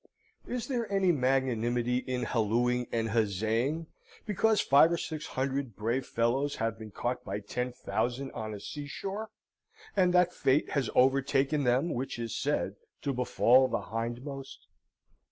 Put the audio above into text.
Is there any magnanimity in hallooing and huzzaying because five or six hundred brave fellows have been caught by ten thousand on a seashore, and that fate has overtaken them which is said to befall the hindmost?